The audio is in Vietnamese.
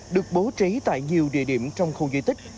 được bố trí tại nhiều địa điểm trong khu di tích